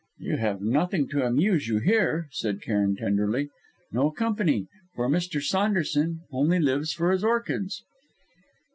"You have nothing to amuse you here," said Cairn tenderly; "no company, for Mr. Saunderson only lives for his orchids."